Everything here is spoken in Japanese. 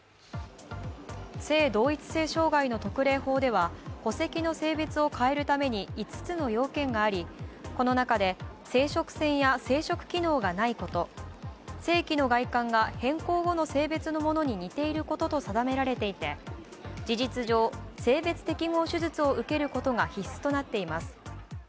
性同一性障害の特例法では、戸籍の性別を変えるために５つの要件があり、この中で生殖腺や生殖機能がないこと性器の外観が変更後の性別のものに似ていることと定められていて、事実上、性別適合手術を受けることが必須となっています。